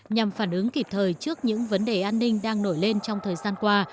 nhằm phản ứng kịp thời trước những vấn đề an ninh đang nổi lên trong thời gian qua